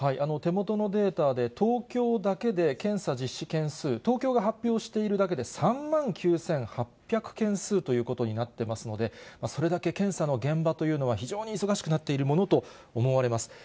手元のデータで、東京だけで検査実施件数、東京が発表しているだけで３万９８００件数ということになっていますので、それだけ検査の現場というのは、非常に忙しくなっているものと思われます。